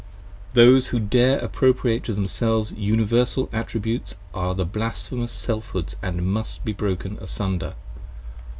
Those who dare appropriate to themselves Universal Attributes Are the Blasphemous Selfhoods & must be broken asunder.